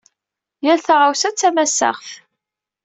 Yal taɣawsa d tamassaɣt.